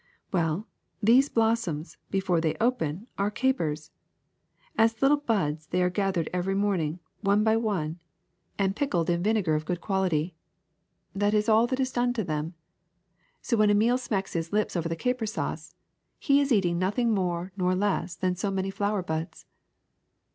Well, these blossoms, before they open, are capers. As little buds they are gath ered every morning, one by one, and pickled in vine ^56 THE SECRET OF EVERYDAY THINGS gar of good quality. That is all that is done to them. So when Emile smacks his lips over the caper sauce, he is eating nothing more nor less than so many flower buds.'